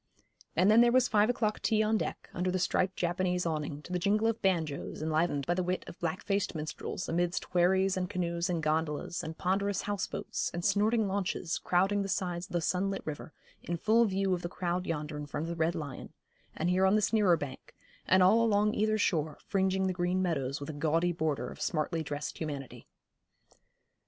And then there was five o'clock tea on deck, under the striped Japanese awning, to the jingle of banjos, enlivened by the wit of black faced minstrels, amidst wherries and canoes and gondolas, and ponderous houseboats, and snorting launches, crowding the sides of the sunlit river, in full view of the crowd yonder in front of the Red Lion, and here on this nearer bank, and all along either shore, fringing the green meadows with a gaudy border of smartly dressed humanity.